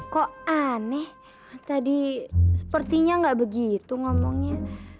kok aneh tadi sepertinya nggak begitu ngomongnya